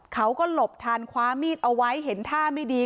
เขาก็หลบทันคว้ามีดเอาไว้เห็นท่าไม่ดี